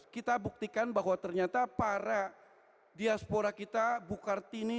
kita buktikan bahwa ternyata para diaspora kita bukartini